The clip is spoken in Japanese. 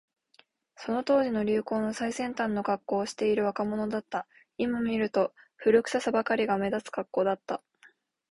その当時の流行の最先端のカッコをしている若者だった。今見ると、古臭さばかりが目立つカッコだった。